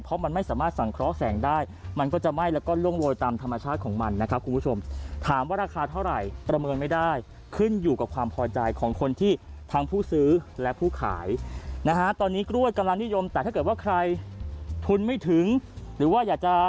พอนับปุ๊บไปปุ๊บลองลืมก็อื่นจะเปลี่ยนไปเลย